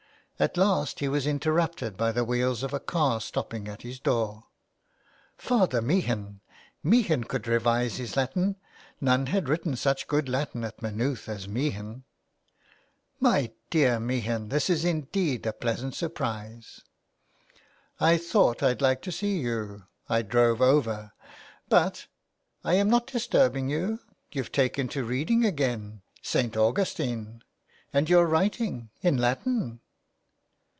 At last he was interrupted by the wheels of a car stopping at his door. Father Meehan ! Meehan could revise his Latin ! None had written such good Latin at Maynooth as Meehan. " My dear Meehan, this is indeed a pleasant sur prise.'' " I thought I'd like to see you. I drove over. But — I am not disturbing you. .. You've taken to reading again. St. Augustine ! And you're writing in Latin